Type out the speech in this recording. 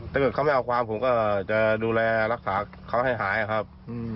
ถ้าเกิดเขาไม่เอาความผมก็จะดูแลรักษาเขาให้หายครับ